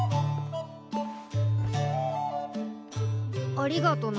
ありがとな